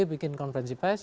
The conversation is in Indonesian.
pak sb bikin konferensi pes